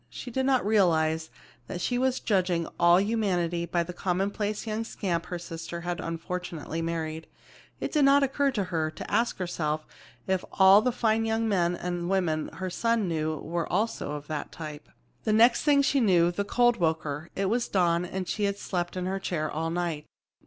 She did not realize that she was judging all humanity by the commonplace young scamp her sister had unfortunately married. It did not occur to her to ask herself if all the fine young men and women her son knew were also of that type. The next thing she knew, the cold woke her. It was dawn, and she had slept in her chair all night.